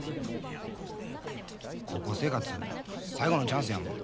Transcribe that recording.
高校生活最後のチャンスやもん。